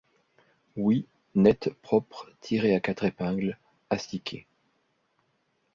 Oui, nette, propre, tirée à quatre épingles, astiquée.